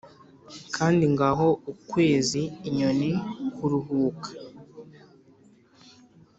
kandi ngaho ukwezi-inyoni kuruhuka